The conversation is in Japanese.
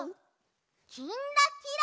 「きんらきら」。